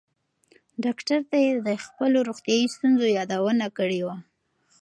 ډاکټر ته یې د خپلو روغتیایي ستونزو یادونه کړې وه.